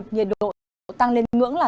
nhiệt độ tăng lên ngưỡng là